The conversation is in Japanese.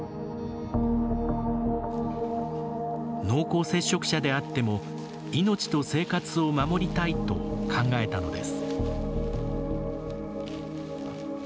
濃厚接触者であっても命と生活を守りたいと考えたのです。